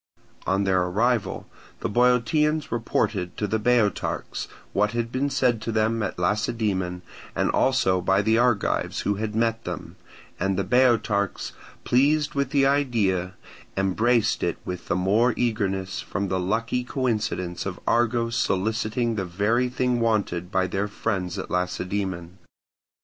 On their arrival the Boeotians reported to the Boeotarchs what had been said to them at Lacedaemon and also by the Argives who had met them, and the Boeotarchs, pleased with the idea, embraced it with the more eagerness from the lucky coincidence of Argos soliciting the very thing wanted by their friends at Lacedaemon.